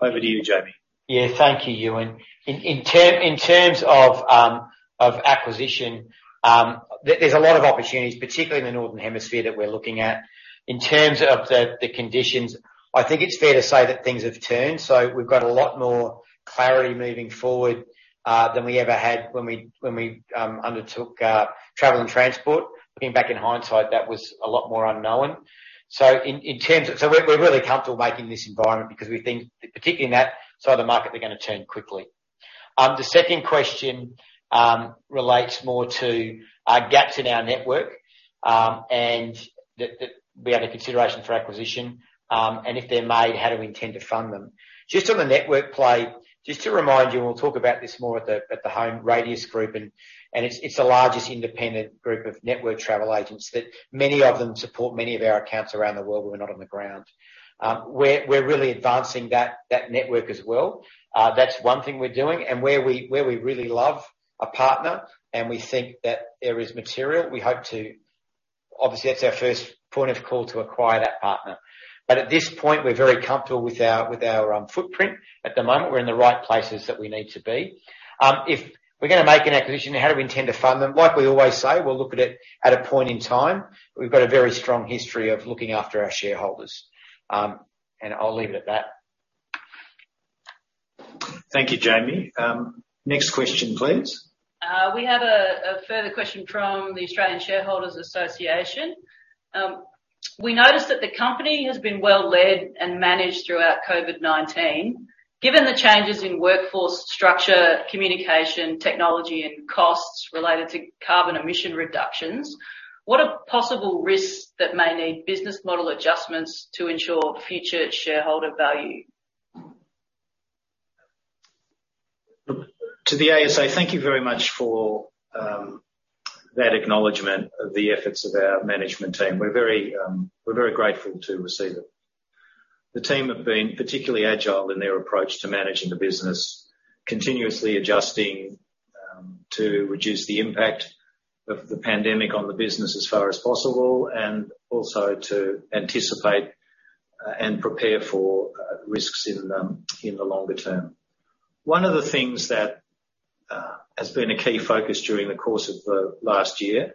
Over to you, Jamie. Yeah. Thank you, Ewen. In terms of acquisition, there's a lot of opportunities, particularly in the Northern Hemisphere that we're looking at. In terms of the conditions, I think it's fair to say that things have turned, so we've got a lot more clarity moving forward than we ever had when we undertook Travel and Transport. Looking back in hindsight, that was a lot more unknown. We're really comfortable in this environment because we think particularly in that side of the market, they're gonna turn quickly. The second question relates more to our gaps in our network and those that may be under consideration for acquisition, and if they're made, how do we intend to fund them? Just on the network play, just to remind you, and we'll talk about this more at the Radius Travel group and it's the largest independent group of network travel agents that many of them support many of our accounts around the world where we're not on the ground. We're really advancing that network as well. That's one thing we're doing. Where we really love a partner and we think that there is material. Obviously, that's our first point of call to acquire that partner. At this point, we're very comfortable with our footprint. At the moment, we're in the right places that we need to be. If we're gonna make an acquisition, how do we intend to fund them? Like we always say, we'll look at it at a point in time. We've got a very strong history of looking after our shareholders. I'll leave it at that. Thank you, Jamie. Next question, please. We have a further question from the Australian Shareholders' Association. We noticed that the company has been well led and managed throughout COVID-19. Given the changes in workforce structure, communication, technology, and costs related to carbon emission reductions, what are possible risks that may need business model adjustments to ensure future shareholder value? To the ASA, thank you very much for that acknowledgement of the efforts of our management team. We're very grateful to receive it. The team have been particularly agile in their approach to managing the business, continuously adjusting to reduce the impact of the pandemic on the business as far as possible, and also to anticipate and prepare for risks in the longer term. One of the things that has been a key focus during the course of the last year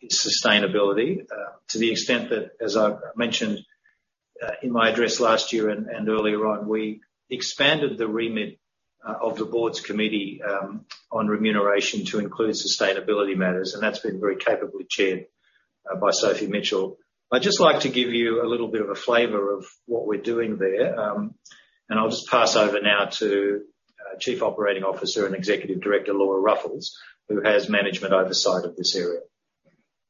is sustainability. To the extent that, as I've mentioned in my address last year and earlier on, we expanded the remit of the board's committee on remuneration to include sustainability matters, and that's been very capably chaired by Sophie Mitchell. I'd just like to give you a little bit of a flavor of what we're doing there, and I'll just pass over now to our Chief Operating Officer and Executive Director, Laura Ruffles, who has management oversight of this area.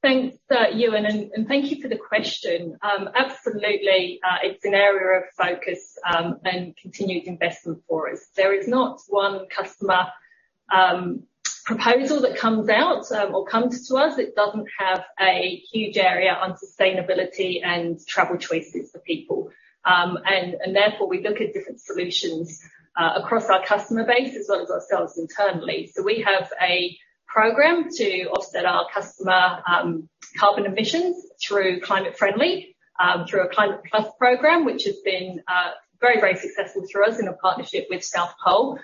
Thanks, Ewen, and thank you for the question. Absolutely, it's an area of focus and continued investment for us. There is not one customer proposal that comes out or comes to us that doesn't have a huge area on sustainability and travel choices for people. Therefore we look at different solutions across our customer base as well as ourselves internally. We have a program to offset our customer carbon emissions through Climate Friendly through a Climate Plus program, which has been very, very successful for us in a partnership with South Pole.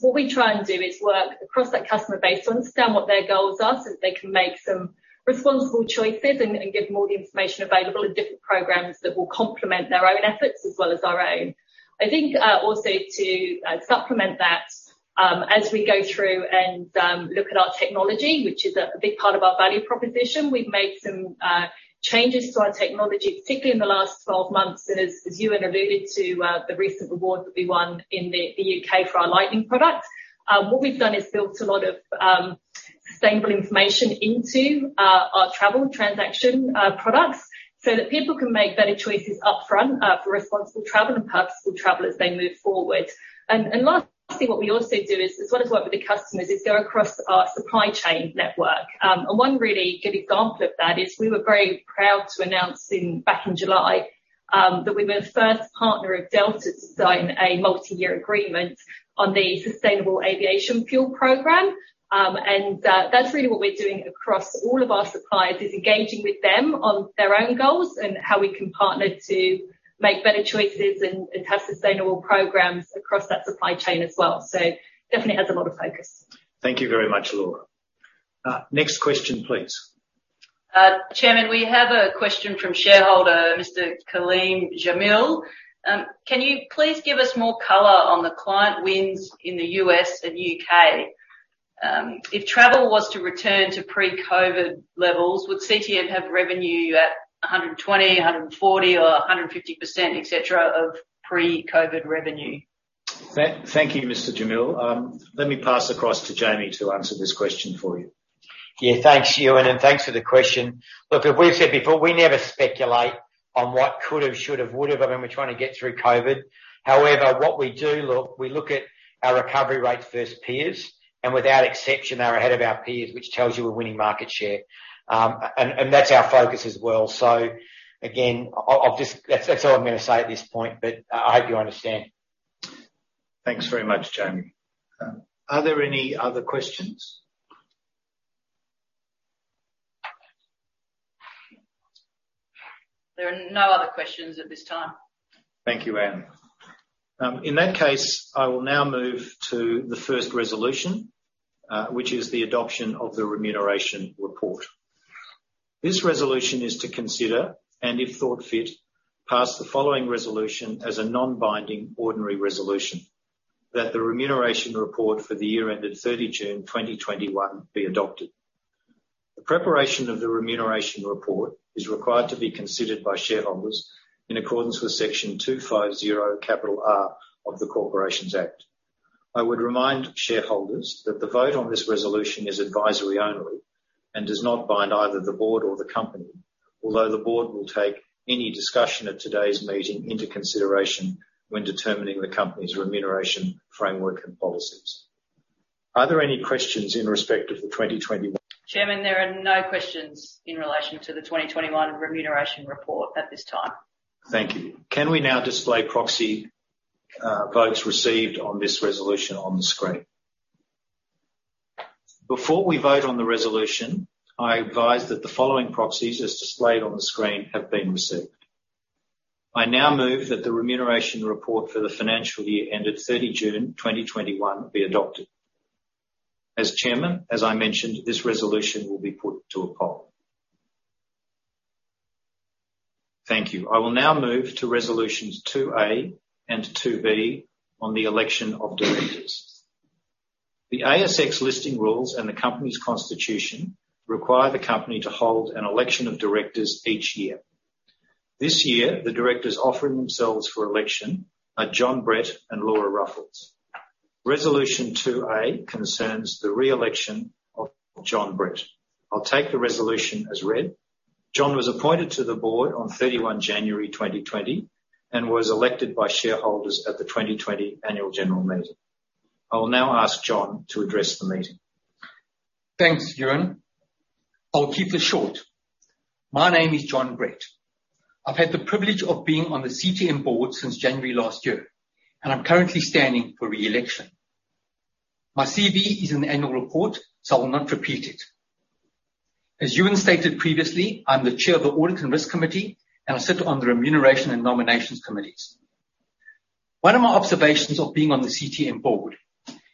What we try and do is work across that customer base to understand what their goals are so that they can make some responsible choices and give them all the information available and different programs that will complement their own efforts as well as our own. I think also to supplement that, as we go through and look at our technology, which is a big part of our value proposition, we've made some changes to our technology, particularly in the last 12 months. As Ewen alluded to, the recent award that we won in the U.K. for our Lightning product, what we've done is built a lot of sustainable information into our travel transaction products so that people can make better choices up front for responsible travel and purposeful travel as they move forward. Lastly, what we also do is, as well as work with the customers, is go across our supply chain network. One really good example of that is we were very proud to announce back in July that we were the first partner of Delta to sign a multi-year agreement on the sustainable aviation fuel program. That's really what we're doing across all of our suppliers is engaging with them on their own goals and how we can partner to make better choices and have sustainable programs across that supply chain as well. Definitely has a lot of focus. Thank you very much, Laura. Next question, please. Chairman, we have a question from shareholder, Mr. Kaleem Jamil. Can you please give us more color on the client wins in the U.S. and U.K.? If travel was to return to pre-COVID levels, would CTM have revenue at 120%, 140% or 150%, etc., of pre-COVID revenue? Thank you, Mr. Jamil. Let me pass across to Jamie to answer this question for you. Yeah. Thanks, Ewen, and thanks for the question. Look, as we've said before, we never speculate on what could have, should have, would have when we're trying to get through COVID. However, what we do look at our recovery rates versus peers, and without exception, they're ahead of our peers, which tells you we're winning market share. And that's our focus as well. Again, that's all I'm gonna say at this point, but I hope you understand. Thanks very much, Jamie. Are there any other questions? There are no other questions at this time. Thank you, Anne. In that case, I will now move to the first resolution, which is the adoption of the remuneration report. This resolution is to consider, and if thought fit, pass the following resolution as a non-binding ordinary resolution that the remuneration report for the year ended 30 June 2021 be adopted. The preparation of the remuneration report is required to be considered by shareholders in accordance with Section 250R of the Corporations Act. I would remind shareholders that the vote on this resolution is advisory only and does not bind either the board or the company. Although the board will take any discussion at today's meeting into consideration when determining the company's remuneration framework and policies. Are there any questions in respect of the 2021? Chairman, there are no questions in relation to the 2021 remuneration report at this time. Thank you. Can we now display proxy votes received on this resolution on the screen? Before we vote on the resolution, I advise that the following proxies, as displayed on the screen, have been received. I now move that the remuneration report for the financial year ended 30 June 2021 be adopted. As Chairman, as I mentioned, this resolution will be put to a poll. Thank you. I will now move to resolutions 2A and 2B on the election of directors. The ASX listing rules and the company's constitution require the company to hold an election of directors each year. This year, the directors offering themselves for election are Jon Brett and Laura Ruffles. Resolution 2A concerns the re-election of Jon Brett. I'll take the resolution as read. Jon was appointed to the board on 31 January 2020 and was elected by shareholders at the 2020 Annual General Meeting. I will now ask Jon to address the meeting. Thanks, Ewen. I'll keep this short. My name is Jon Brett. I've had the privilege of being on the CTM board since January last year, and I'm currently standing for re-election. My CV is in the annual report, so I will not repeat it. As Ewan stated previously, I'm the Chair of the Audit and Risk Committee, and I sit on the Remuneration and Nominations Committees. One of my observations of being on the CTM board, and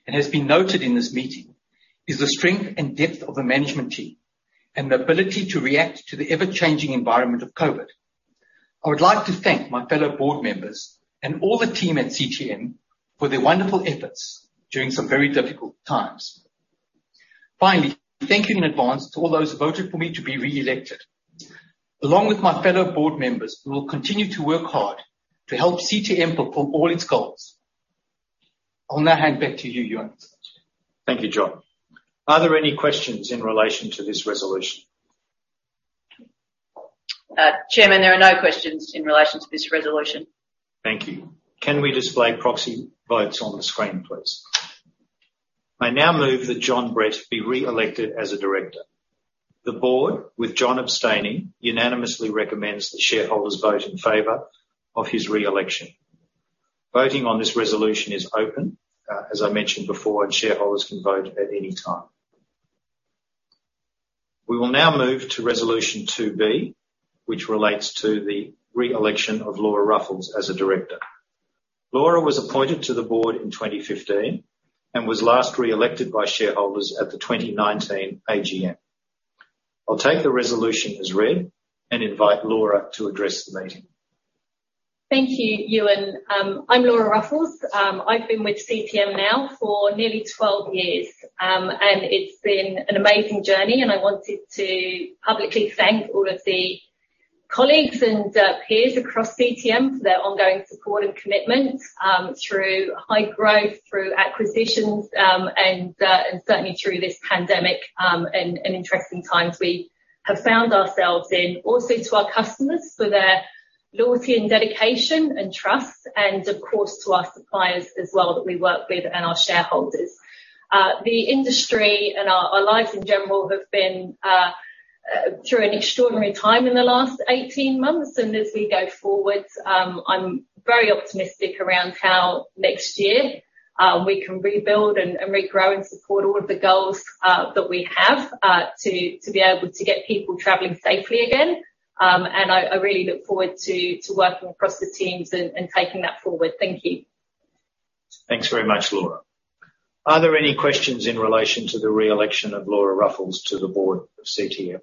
has been noted in this meeting, is the strength and depth of the management team and the ability to react to the ever-changing environment of COVID. I would like to thank my fellow board members and all the team at CTM for their wonderful efforts during some very difficult times. Finally, thank you in advance to all those who voted for me to be re-elected. Along with my fellow board members, we will continue to work hard to help CTM fulfill all its goals. I'll now hand back to you, Ewen. Thank you, Jon. Are there any questions in relation to this resolution? Chairman, there are no questions in relation to this resolution. Thank you. Can we display proxy votes on the screen, please? I now move that Jon Brett be re-elected as a Director. The board, with Jon abstaining, unanimously recommends that shareholders vote in favor of his re-election. Voting on this resolution is open, as I mentioned before, and shareholders can vote at any time. We will now move to resolution 2B, which relates to the re-election of Laura Ruffles as a Director. Laura was appointed to the board in 2015 and was last re-elected by shareholders at the 2019 AGM. I'll take the resolution as read and invite Laura to address the meeting. Thank you, Ewen. I'm Laura Ruffles. I've been with CTM now for nearly 12 years. It's been an amazing journey, and I wanted to publicly thank all of the colleagues and peers across CTM for their ongoing support and commitment through high growth, through acquisitions, and certainly through this pandemic, and interesting times we have found ourselves in. Also to our customers for their loyalty and dedication and trust, and of course to our suppliers as well that we work with and our shareholders. The industry and our lives in general have been through an extraordinary time in the last 18 months. As we go forward, I'm very optimistic around how next year we can rebuild and regrow and support all of the goals that we have to be able to get people traveling safely again. I really look forward to working across the teams and taking that forward. Thank you. Thanks very much, Laura. Are there any questions in relation to the re-election of Laura Ruffles to the board of CTM?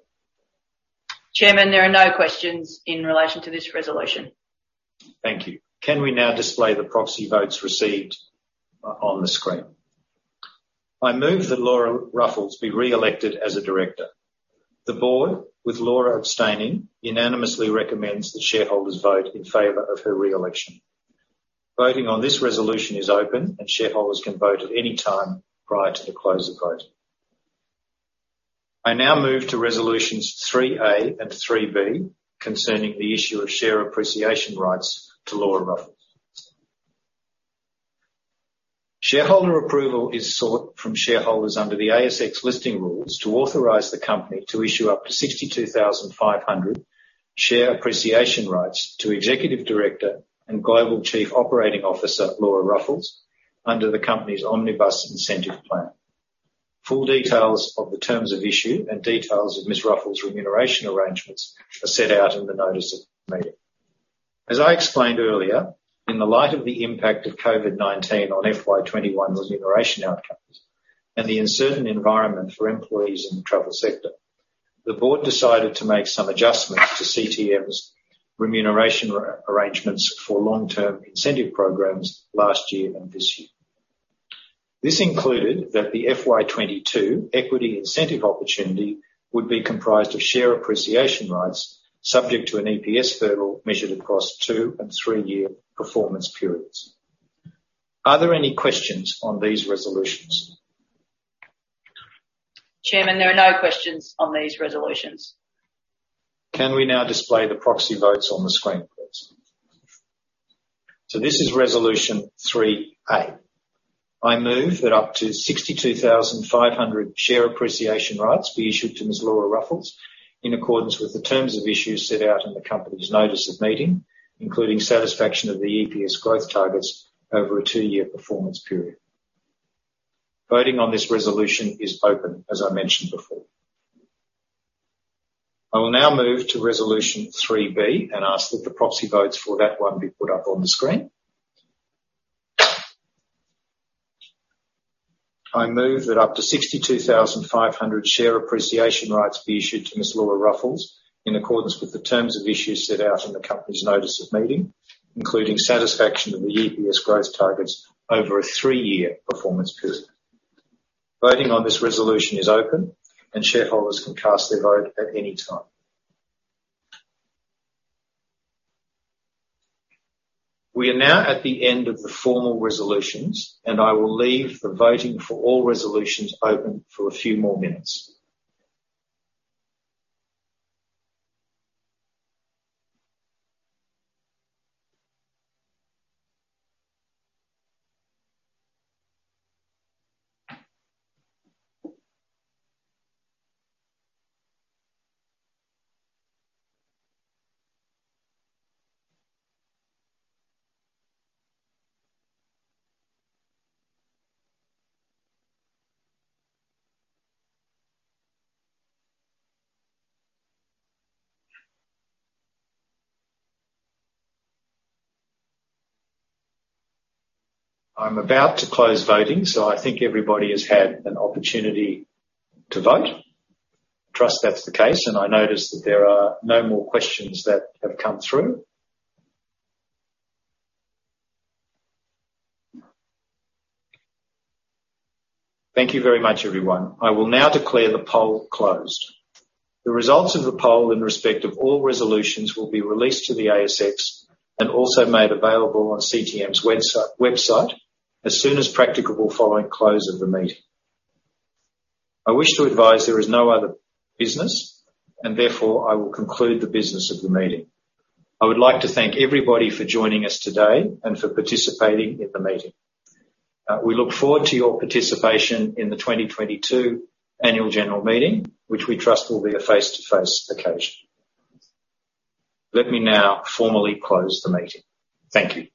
Chairman, there are no questions in relation to this resolution. Thank you. Can we now display the proxy votes received on the screen? I move that Laura Ruffles be re-elected as a director. The board, with Laura abstaining, unanimously recommends that shareholders vote in favor of her re-election. Voting on this resolution is open, and shareholders can vote at any time prior to the close of voting. I now move to resolutions 3A and 3B concerning the issue of share appreciation rights to Laura Ruffles. Shareholder approval is sought from shareholders under the ASX listing rules to authorize the company to issue up to 62,500 share appreciation rights to Executive Director and Global Chief Operating Officer Laura Ruffles under the company's Omnibus Incentive Plan. Full details of the terms of issue and details of Ms. Ruffles' remuneration arrangements are set out in the notice of the meeting. As I explained earlier, in the light of the impact of COVID-19 on FY 2021 remuneration outcomes and the uncertain environment for employees in the travel sector, the board decided to make some adjustments to CTM's remuneration arrangements for long-term incentive programs last year and this year. This included that the FY 2022 equity incentive opportunity would be comprised of share appreciation rights subject to an EPS hurdle measured across two and three-year performance periods. Are there any questions on these resolutions? Chairman, there are no questions on these resolutions. Can we now display the proxy votes on the screen, please? This is Resolution 3A. I move that up to 62,500 share appreciation rights be issued to Ms. Laura Ruffles in accordance with the terms of issue set out in the company's notice of meeting, including satisfaction of the EPS growth targets over a two-year performance period. Voting on this resolution is open, as I mentioned before. I will now move to Resolution 3B and ask that the proxy votes for that one be put up on the screen. I move that up to 62,500 share appreciation rights be issued to Ms. Laura Ruffles in accordance with the terms of issue set out in the company's notice of meeting, including satisfaction of the EPS growth targets over a three-year performance period. Voting on this resolution is open, and shareholders can cast their vote at any time. We are now at the end of the formal resolutions, and I will leave the voting for all resolutions open for a few more minutes. I'm about to close voting, so I think everybody has had an opportunity to vote. I trust that's the case, and I notice that there are no more questions that have come through. Thank you very much, everyone. I will now declare the poll closed. The results of the poll in respect of all resolutions will be released to the ASX and also made available on CTM's website as soon as practicable following close of the meeting. I wish to advise there is no other business, and therefore I will conclude the business of the meeting. I would like to thank everybody for joining us today and for participating in the meeting. We look forward to your participation in the 2022 annual general meeting, which we trust will be a face-to-face occasion. Let me now formally close the meeting. Thank you.